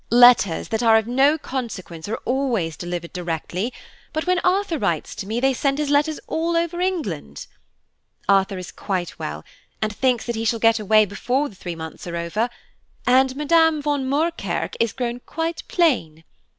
"Letters that are of no consequence are always delivered directly, but when Arthur writes to me, they send his letters all over England. Arthur is quite well, and thinks that he shall get away before the three months are over, and Madame von Moerkerke is grown quite plain.